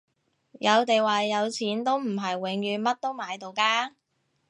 有地位有錢都唔係永遠乜都買到㗎